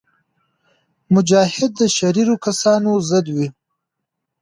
مجاهد د شریرو کسانو ضد وي.